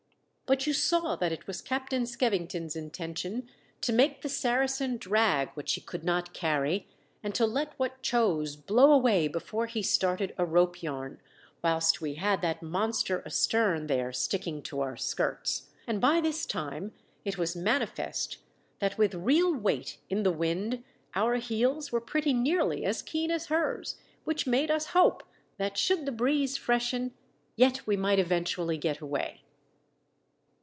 But you saw that it was Captain Skevington's intention to make the Saracen drag what she could not carry, and to let what chose blow away before he started a rope yarn, whilst we had that monster astern there sticking to our skirts ; and by this time it was manifest that with real weight in the wind our heels were pretty nearly as keen as hers, which made us hope that should the breeze freshen yet we might eventually get away.